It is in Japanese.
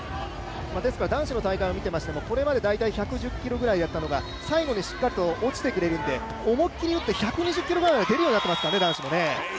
男子の大会を見ていましても、大体今まで１１６キロぐらいだったのが最後にしっかり落ちてくれるので思いっきり打って１２０キロくらいは男子も出るようになっていますかね。